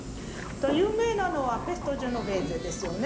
有名なのは「ペストジェノベーゼ」ですよね。